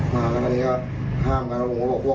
มากันอันนี้ครับห้ามกัน